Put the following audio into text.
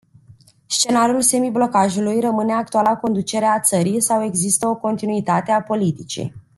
Scenariul semiblocajului rămâne actuala conducere a țării sau există o continuitate a politicii.